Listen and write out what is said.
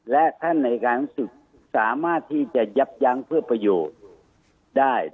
และท่านอายการสูงสุดสามารถที่จะยับยั้งเพื่อประโยชน์ได้